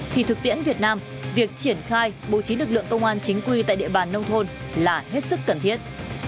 thì thực tiễn việt nam việc triển khai bố trí lực lượng công an chính quy tại địa bàn nông thôn là hết sức cần thiết